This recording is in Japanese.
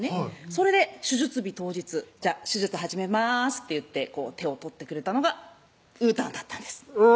それで手術日当日「手術始めます」っていって手を取ってくれたのがうーたんだったんですうわ